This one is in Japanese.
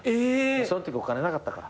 そんときお金なかったから。